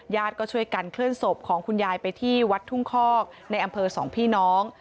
ก็ช่วยกันเคลื่อนศพของคุณยายไปที่วัดทุ่งคอกในอำเภอสองพี่น้อง